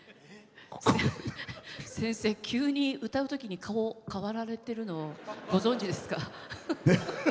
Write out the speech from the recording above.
先生、急に歌うときに顔、変わられてるのご存じですか？